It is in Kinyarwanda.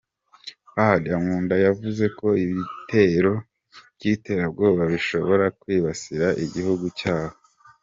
Paddy Ankunda yavuze ko ibitero by’iterabwoba bishobora kwibasira igihugu cyabo.